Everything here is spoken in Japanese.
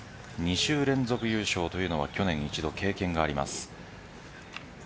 ２週連続優勝というのは去年一度経験があります。